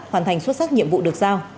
hoàn thành xuất sắc nhiệm vụ được giao